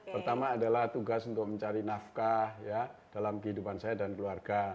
pertama adalah tugas untuk mencari nafkah dalam kehidupan saya dan keluarga